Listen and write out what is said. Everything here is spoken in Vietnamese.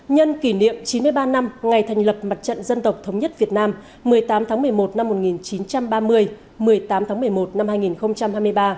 nhân kỷ niệm chín mươi ba năm ngày thành lập mặt trận dân tộc thống nhất việt nam một mươi tám tháng một mươi một năm một nghìn chín trăm ba mươi một mươi tám tháng một mươi một năm hai nghìn hai mươi ba